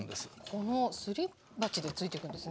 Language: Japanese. このすり鉢でついていくんですね。